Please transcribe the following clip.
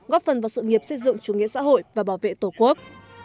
góp phần vào sự nghiệp xây dựng chủ nghĩa xã hội và bảo vệ tổ quốc